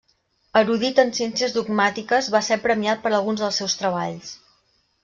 Erudit en ciències dogmàtiques, va ser premiat per alguns dels seus treballs.